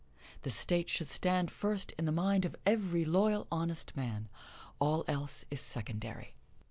The State should stand first in the mind of every loyal, honest man: all else is secondary.